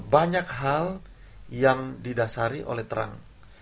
banyak hal yang didasari oleh terang